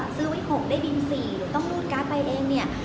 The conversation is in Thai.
ซื้อไว้เหมาะได้บินสี่อาจต้องมูดก๊าต์ไปเองเนี่ย